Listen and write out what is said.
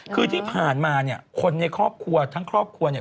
คือที่ผ่านมาเนี่ยคนในครอบครัวทั้งครอบครัวเนี่ย